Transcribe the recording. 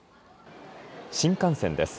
新幹線です。